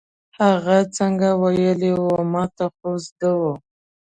هغه څنګه ویلې وه، ما ته خو زده وه.